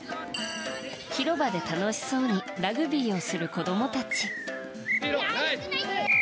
広場で楽しそうにラグビーをする子供たち。